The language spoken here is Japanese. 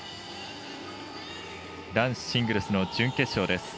男子シングルスの準決勝です。